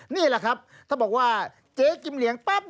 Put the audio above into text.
นี่แหละครับถ้าบอกว่าเจ๊กิมเหลียงปั๊บ